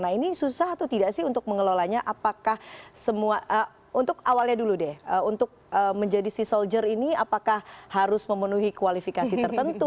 nah ini susah atau tidak sih untuk mengelolanya apakah semua untuk awalnya dulu deh untuk menjadi sea soldier ini apakah harus memenuhi kualifikasi tertentu